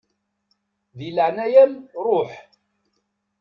Di leɛnaya-m ṛuḥ.